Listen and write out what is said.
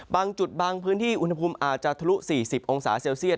บางจุดบางพื้นที่อุณหภูมิอาจจะทะลุ๔๐องศาเซลเซียต